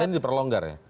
ini diperlonggar ya